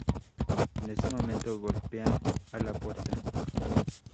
En ese momento, golpean a la puerta.